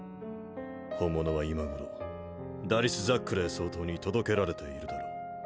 本物は今頃ダリス・ザックレー総統に届けられているだろう。